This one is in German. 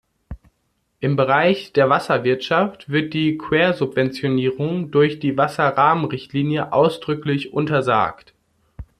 Im Bereich der Wasserwirtschaft wird die Quersubventionierung durch die Wasserrahmenrichtlinie ausdrücklich untersagt.